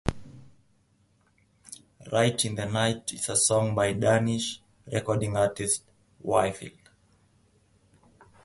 "Right in the Night" is a song by Danish recording artist Whigfield.